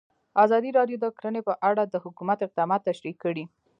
ازادي راډیو د کرهنه په اړه د حکومت اقدامات تشریح کړي.